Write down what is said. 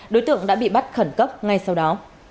đối tượng đã bị bắt khẩn cấp ngay sau đó